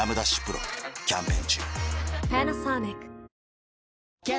丕劭蓮キャンペーン中